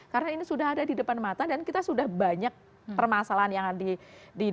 karena ini sudah ada di depan mata dan kita sudah banyak permasalahan yang ada di depan kita